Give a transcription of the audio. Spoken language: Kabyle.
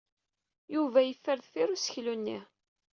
Yuba yeffer deffir useklu-nni.